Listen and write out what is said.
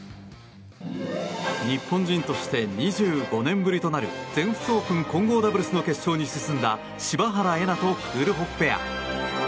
日本人として２５年ぶりとなる全仏オープン混合ダブルスの決勝に進んだ柴原瑛菜とクールホフペア。